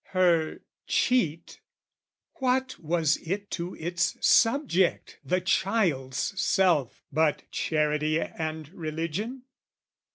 Her cheat What was it to its subject, the child's self, But charity and religion?